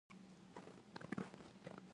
Seperti menggantang asap